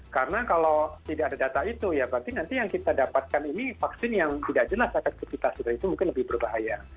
karena kalau tidak ada data itu ya berarti nanti yang kita dapatkan ini vaksin yang tidak jelas efektifitas itu mungkin lebih berbahaya